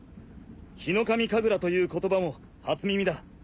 ヒノカミ神楽という言葉も初耳だ。